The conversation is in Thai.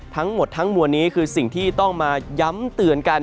ทั้งหมดทั้งมวลนี้คือสิ่งที่ต้องมาย้ำเตือนกัน